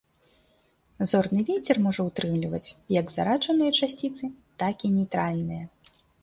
Зорны вецер можа ўтрымліваць як зараджаныя часціцы, так і нейтральныя.